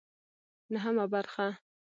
نهمه برخه